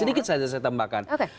sedikit saja saya tambahkan